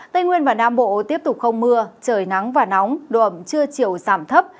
tây nguyên và nam bộ tiếp tục không mưa trời nắng và nóng đồ ẩm chưa chiều giảm thấp